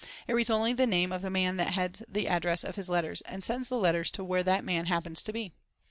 It reads only the name of the man that heads the address of his letters and sends the letters to where that man happens to be.